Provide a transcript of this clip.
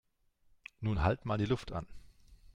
Nun halt mal die Luft an